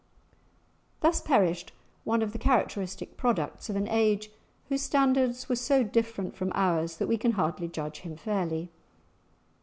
Thus perished one of the characteristic products of an age whose standards were so different from ours that we can hardly judge him fairly.